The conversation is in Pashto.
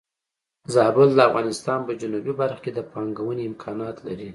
زابل د افغانستان په جنوبی برخه کې د پانګونې امکانات لري.